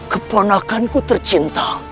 keponakan ku tercinta